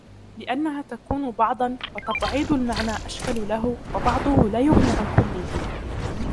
لِأَنَّهَا تَكُونُ بَعْضًا وَتَبْعِيضُ الْمَعْنَى أَشْكَلُ لَهُ وَبَعْضُهُ لَا يُغْنِي عَنْ كُلِّهِ